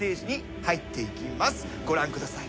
ご覧ください。